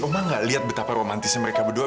oma gak lihat betapa romantisnya mereka berdua